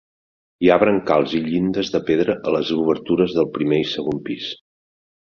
Hi ha brancals i llindes de pedra a les obertures del primer i segon pis.